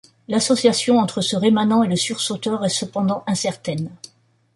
L'association entre ce rémanent et le sursauteur reste cependant incertaine.